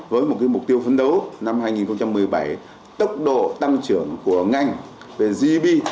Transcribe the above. với một mục tiêu phấn đấu năm hai nghìn một mươi bảy tốc độ tăng trưởng của ngành về gb